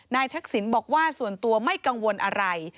ทักษิณบอกว่าส่วนตัวไม่กังวลอะไร